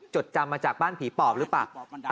จดจำมาจากบ้านผีปอบหรือเปล่า